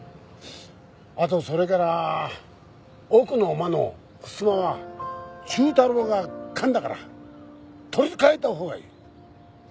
あとそれから奥の間のふすまは忠太郎が噛んだから取り換えたほうがいい。